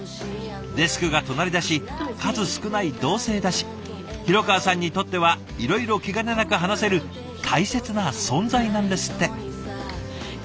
デスクが隣だし数少ない同性だし廣川さんにとってはいろいろ気兼ねなく話せる大切な存在なんですって。